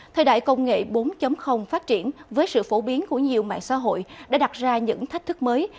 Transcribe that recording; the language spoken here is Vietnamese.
thời đại công nghệ bốn phát triển với sự phổ biến của nhiều mạng xã hội đã đặt ra những thách thức mới